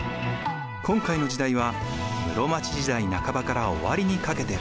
今回の時代は室町時代半ばから終わりにかけて。